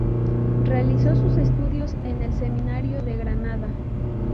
Realizó sus estudios en el seminario de Granada.